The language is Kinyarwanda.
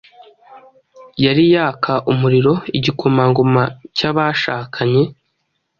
yari yaka umuriro Igikomangoma cyabashakanye